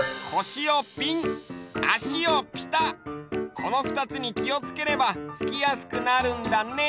このふたつにきをつければふきやすくなるんだね！